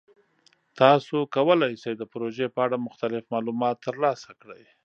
تاسو کولی شئ د پروژې په اړه مختلف معلومات ترلاسه کړئ.